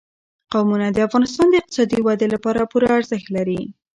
قومونه د افغانستان د اقتصادي ودې لپاره پوره ارزښت لري.